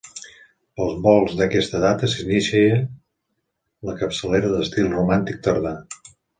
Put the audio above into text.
Pels volts d'aquesta data s'inicia la capçalera d'estil romànic tardà.